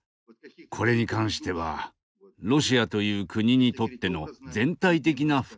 これに関してはロシアという国にとっての全体的な不幸の感覚